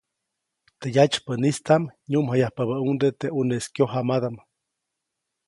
Teʼ yatsypäʼnistaʼm nyuʼmjayapabäʼuŋde teʼ ʼuneʼis kyojamadaʼm.